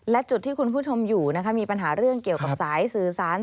และจุดที่คุณผู้ชมอยู่นะคะมีปัญหาเรื่องเกี่ยวกับสายสื่อสาร